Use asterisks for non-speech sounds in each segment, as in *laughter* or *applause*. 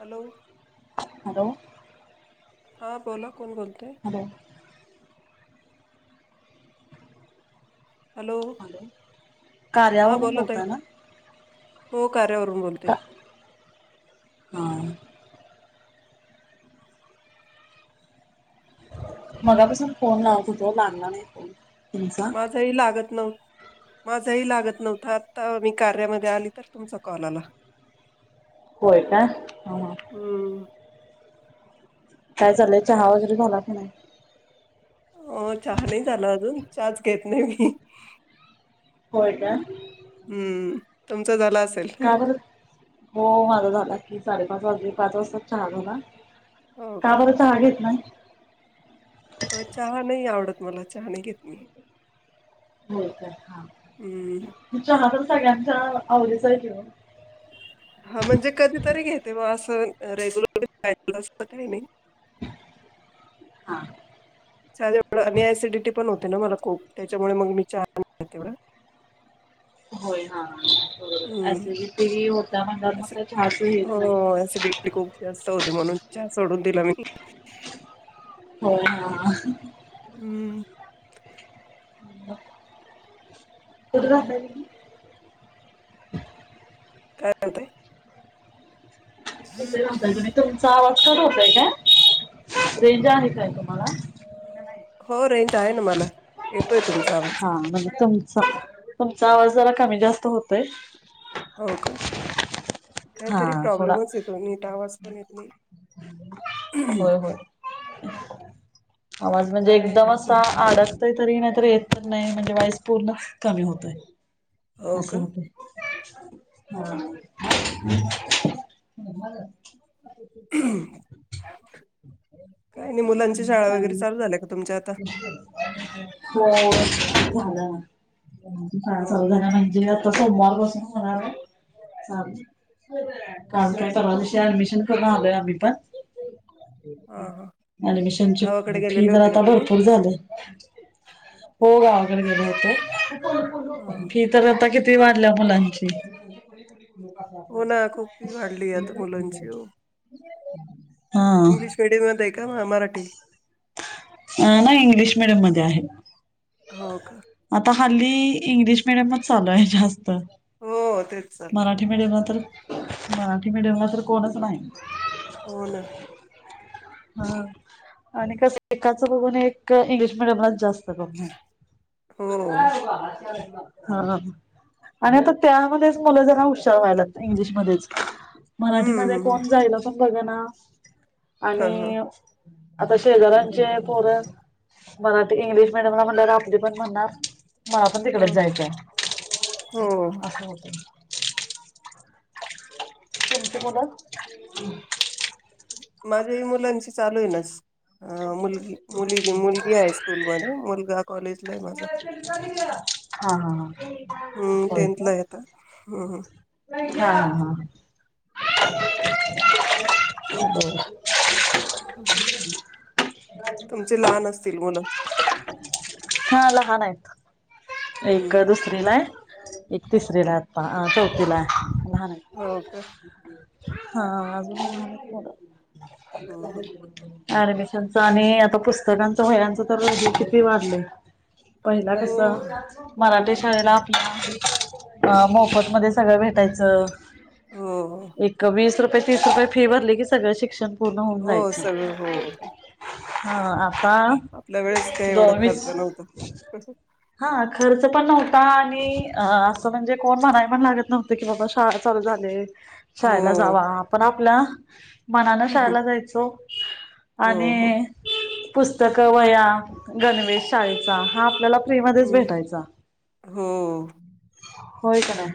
Hello? Hello? हा, बोला, कोण बोलतय? *unintelligible* *inaudible* हॅलो? हां कार्यावरून बोला ताई बोलताय ना? हो, कार्यावरूनं का बोलते. हा. मगापासून फोन लावत होतो, लागला नाही फोन तुमचा. तरी लागत न माझाही लागतं नव्हतां, आतां मी कार्यामध्ये आली तर तुमचा कॉल आला. होय काय? हम्म! काय चाललय? चहा वगैरे झालां की नाही? हो, चहां नाही झाला अजून, चहाचं घेत नाही मीं. होय का? हम्म! तुमचा झाला असेल? काय बर? हो माझा झाला की, साडेपाच वाजले, पाच वाजतां चहा झाला. का बर का घेतला नाही? अं चहा नाही आवडत मला. चहा नाही घेत मी. होय काय? हा. हम्म तर हा चहा तर सगळ्यांच्या आवडीचाय की ओ. हा म्हणजे कधीतरी घेते म असं रेग्युलर *unintelligible* काही नाही. हा चहा *unintelligible* आणि ॲसिडिटी पण होते नां मला खूप. त्याच्यामुळे मग मी चहा पीत नाही तेवढं. होय हा बरोबर. हम्म ॲसिडीटी होत्या म्हणल्यावर मग असं काय चहाच हेच नई. हो असिडी खूप जास्त होते म्हणून चहा सोडून दिला मी. हो हा. हम्म. कुठ राहताय मी? काय म्हणताय? *unintelligible* तुमचा आवाज कट होतय का? रेंज आहे काय तुम्हाला? हो रेंज आहे ना मला. येतोय तुमचा आवाज. हा म्हणजे तुमचां तुमचां आवाज जरा कमी जास्त होतोय. होव का? हा काईतरी थोडा प्रॉब्लेमचय नीट आवाज पण येत नाही. होय होय. आवाज म्हणजे एकदम असा आडकतय तरी. नाहीतरी येत तर नाही. म्हणजे वाईस पूर्णच कमी होतोय. हो अस का? होतय हा *unintelligible* *unintelligible* काय नाही मुलांची शाळा वगैरे चालू झाल्या का तुमच्या आता? हो झालं ना. मुलांची शाळा हो चालू का? झाली. म्हणजे आता सोमवार पासन होणाराय. सात जून काल काय परवा दिवशी ऍडमिशन करून आलोय आम्ही पण. हां हां. ऍडमिशनची गावाकडे फी गेलेले जरा होते का आता तुम्ही? भरपूर झाल्या. हो गावाकडे गेलो होतो. हां. फी तर आता किती वाढल्या मुलांची. *unintelligible* हो ना खूपी वाढली आता मुलांची हो *unintelligible* इंग्लिश मिडियम मध्ये आहे का मराठी? अ नाही इंग्लिश मिडियम मध्ये आहे. हो का? आता हल्ली इंग्लिश मिडियमच चालू आहे जास्त. हो तेच चाललंय. मिडीयम ला तर मराठी मिडीयम ला तर कोणच नाही. हो ना? हा आणि कस एकाच बघून एक इंग्लिश मिडियमलाच जास्त हो. *unintelligible* हा हा आणि आता त्यामध्येच मुलं जरा हुशार व्हायलात इंग्लिशमध्येच. हं, मराठीमध्ये हं. कोण जायला पण बघ ना हां, हां. आणि आता शेजार्यांचे पोर मराठी इंग्लिश मिडियमला म्हणल्या वर आपली पण म्हणणार मला पण तिकडच हां. जायचंय हो असं होतय. तुमची मुल? माझ्याही मुलांची चालू आहे नस हा, मुलगी, मुली मुलगी आहे हायस्कूल मध्ये, मुलगा कॉलेजला आहे माझा. *unintelligible* *inaudible* हा हा हा. हम्म! होय टेंथला आहे काय? आत्ता. हा हा. बर. तुमचे लहान असतील मुलं? हा, लहान आहेत, हम्म एकादस गेलाय, एक तिसरीला हाय आता, चौथीला हाय, लहान आहे. हो का? हा, अजून *unintelligible* हम्म हम्म. ऍडमिशनच आणि, आता पुस्तकांचा, वहयांच, तर *unintelligible* किती वाढलय. पहिला कस, हो मराठी शाळेला आपल्या मोफत मध्ये सगळं भेटायचं. हो हो. एक वीस रुपये, तीस रुपये, फी भरली की सगळं शिक्षण पूर्ण होऊन हो जायचं. सगळं हो हो. हा, आता आपल्या वेळेस काही एवढं दोवीस खर्च नव्हतं. हा, खर्च पण नव्हता, आणि असं म्हणजे, कोण म्हणाय पण लागत नव्हत, की बाबा शाळा चालू झाले, शाळेला जावा, हो पण आपल्या मनान हम्म, शाळेला जायचो, हो हो आणि पुस्तक, वहया, गणवेश शाळेचा, हा आपल्याला फ्रीमध्येच हम्म, भेटायचा. हो. होय क नाय?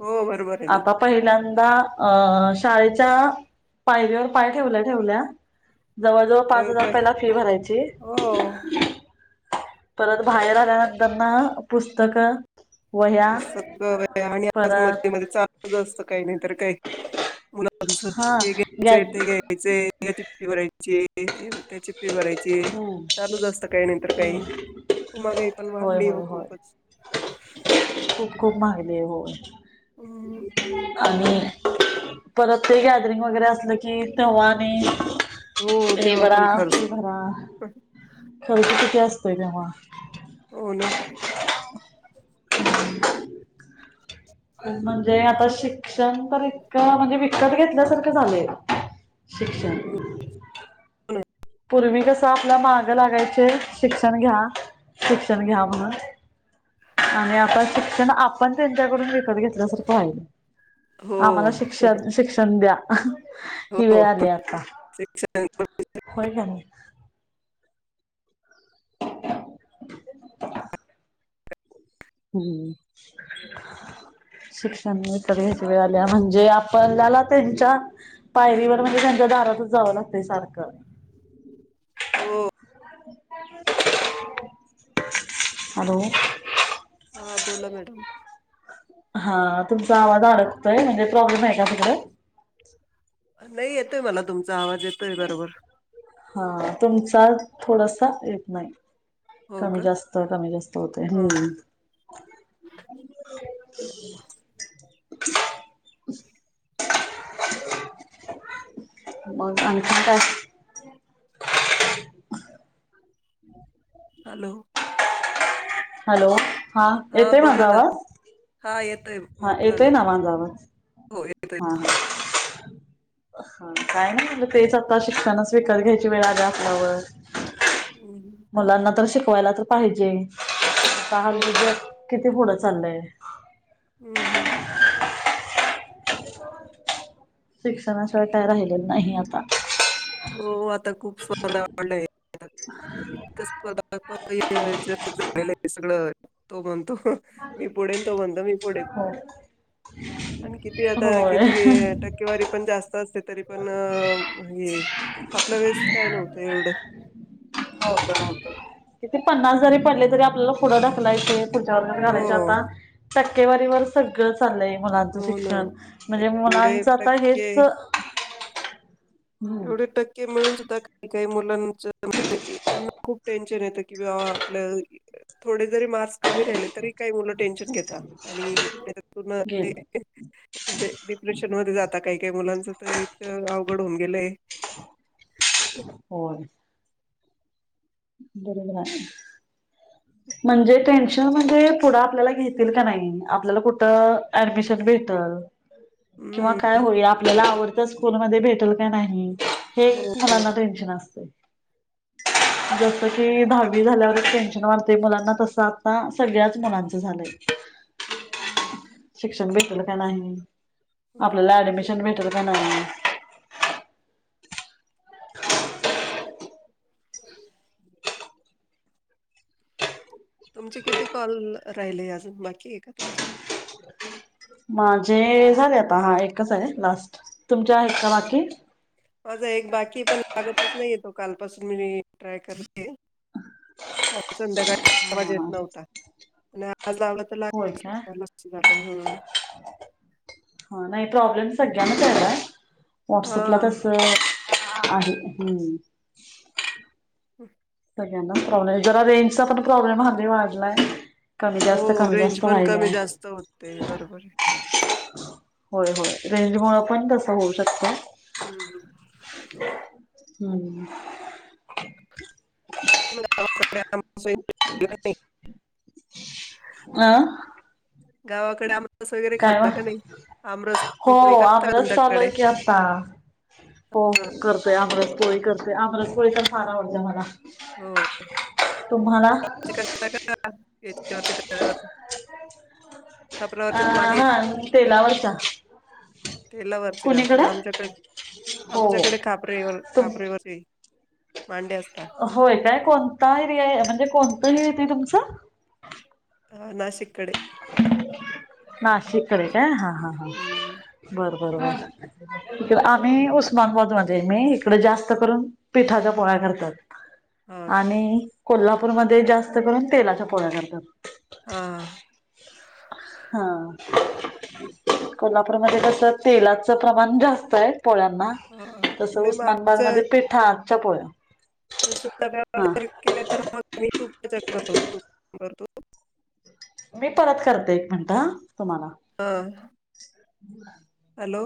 हो, बरोबर आहे ना. पहिल्यांदा, अ शाळेच्या, पायरीवर पाय ठेवल्या ठेवल्या जवळ-जवळ, प पाच हजार प- पहिला फी भरायची हो. परत बाहेर आल्यानंतरन, पुस्तकं वह्या पुस्तक, वह्या, परत मध्ये मध्ये चालू असत काही नाही तर काही. मुलांचं, हा हे घ्यायचंय, गॅज ते घ्यायचंय, फि भरायची ते त्याची फी भरायची, हम्म चालूच असत, काही नाहीतर काही. माहागाई पण होय वाढली ना होय होय खूपच खूप खूप महागली आहे, होय. हम! आणि, परत ते गॅदरिंग वगैरे असलं कि, तेव्हा आणि हो, हे तेव्हा भरा पण ख भरा, खर्च किती असतोय तेव्हा हो ना. *inaudible* म्हणजे आता शिक्षण तर इतकं, म्हणजे विकत घेतल्यासारखं झालय. शिक्षण. *unintelligible* पूर्वी कसं आपल्या माग लागायचे, शिक्षण घ्या, शिक्षण घ्या, म्हणून. आणि आता शिक्षण आपण त्यांच्याकडून विकत घेतल्यासारखं राहिल हो आम्हाला शिक्षण शिक्षण द्या ही वेळ हो आली आता. शिक्षण हो काणी *unintelligible* *inaudible* हम्म. शिक्षण विकत घ्यायची वेळ आली म्हणजे आपणल्याला त्यांच्या पायरीवर म्हणजे त्यांच्या दारातच जावं लागते सारखं हो. हॅलो. हा बोला मॅडम हा तुमचा आवाज अडकतोय म्हणजे प्रॉब्लेम आहे का तिकडं? नाही येतोय मला तुमचा आवाज येतोय बरोबर. हा तुमचा थोडासा येत नाही. हो कमी का जास्त कमी जास्त होतय. हा ह हम *inaudible* *inaudible* मग आणखीन काय? हॅलो. हॅलो हा येतो माझा बोला ना आवज हा येतोय हा बोला येतोय ना माझा आवाज हो *unintelligible* हा ह. हा काय नाही म्हणलं तेच आता शिक्षणच विकत घ्यायची वेळ आली आपल्यावर हम् *inaudible* मुलांना तर शिकवायला तर पाहिजे का *unintelligible* हो ना गुगल किती पुढं चाललंय. हम्म हम्म. शिक्षणाशिवाय काय राहिलेलं नाही आता. हो आता खूप स्पर्धा वाढल्या आहेत. *unintelligible* सगळं तो म्हणतो मी पुढेन तो म्हणतो मी पुढे आणि किती आता होय किती अअ टक्केवारी पण जास्त असते तरी पण अ हे आपल्या वेळेस काय नव्हत एवढं. हो किती पन्नास जरी पडले तरी आपल्याला पुढ ढकलायचे. पुढच्या वर्गात घालायचे हो आता टक्केवारीवर सगळं चाललंय मुलांचं हो ना शिक्षण ते म्हणजे एवढे मुलांचं आता टक्के हेच ऐवढे टक्क की मिळून सुद्धा काही काही मुलांच त्यांना खूप टेन्शन येतं कि बा आपल्या थोडे जरी मार्क्स कमी राहिले तरी काही मुलं टेन्शन घेता आणि त्याच्यातून घेत म्हणजे डिप्रेशन मध्ये जाता काही काही मुलांच तर इतक अवघड होऊन गेलंय हो. बरोबर आहे. म्हणजे टेन्शन म्हणजे पुढं आपल्याला घेतील का नाही आपल्याला कुठं ऍडमिशन भेटल किंवा हं, काय होईल आपल्याला आवडत स्कूलमध्ये भेटल का नाही. हे हो. मुलांना टेन्शन असतय. जसं कि दहावी झाल्यावरच टेन्शन वाढत ते मुलांना तसं आता, सगळ्याच मुलांचं झालंय. हम्म! शिक्षण भेटल का नाही, आपल्याला ऍडमिशन भेटेल का नाही? *inaudible* तुमचे किती कॉल राहिले अजून, बाकी आहे का तुमचे? माझे झाले आता, हा, एकच आहे लास्ट, तुमचे आहेत का बाकी? माझा एक बाकी ये, पण लागतच नाही तो, कालपासून मी ट्राय करते. काल संध्याकाळ आवाज हा येत हा नव्हता, आणि आज लावला होय काय *unintelligible* *inaudible* हा, नाही प्रॉब्लेम सगळ्यांनाच यायलाय, व्हॉट्सअपला हां. तस *unintelligible* हम्म! हम. सगळ्यांना प्रॉब्लेम, जरा रेंजचा पण प्रॉब्लेम हल्ली वाढलाय. कमी हो, जास्त कमी रेंज जास्त पण कमी व्हायलाय जास्त होते, बरोबर. होय होय, रेंज मूळ पण तस होऊ शकतय. हं. हम्. *unintelligible* *inaudible* आं गावाकडे आम काय म, हो, पुरणपोळी करता का आमरस तुमच्याकडे? चालूय की आता होय होय, करतोय. आमरस पोळी करते, आमरस पोळी पण खूप आवडत्या मला. हो. वरचे तुम्हाला याच्या व तव्यावरचं *unintelligible* अ हा तेलावरचा *unintelligible* तेला वरच करतात, कुणीकडे आमच्याकडे हो हो आमच्याकडे कापरेवर, तुम कापरेवरची भांडे असतात. होय काय, कोणता एरिया, म्हणजे कोणतं हे येत तुमचं? हा, नाशिक कडे नाशिककडे काय, हा हा हा, हम्म बर बर बर. आम्ही उस्मानबादमध्ये मी, इकडे जास्त करून पिठाच्या पोळ्या करतात. हा का आणि कोल्हापूरमध्ये जास्त करून, तेलाच्या पोळ्या करतात. हा. हा, कोल्हापूरमध्ये कस तेलाच प्रमाण जास्त आहे पोळ्यांना, हा तस नाही मग आमचं उस्मानाबादमध्ये हा, आमच्या पोळ्या हा *unintelligible* केल्या तर मग मी *unintelligible* मी परत करते, एक मिनट ह तुम्हाला बर. *inaudible* हॅलो?